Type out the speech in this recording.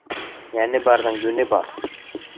Йәне барҙың йүне бар.